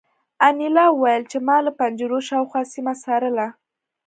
انیلا وویل چې ما له پنجرو شاوخوا سیمه څارله